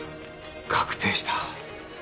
確定した。